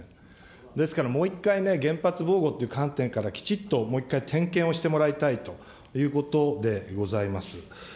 ですから、もう一回ね、原発防護って観点から、きちっともう一回点検をしてもらいたいということでございます。